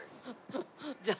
じゃあ。